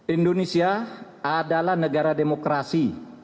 indonesia adalah negara demokrasi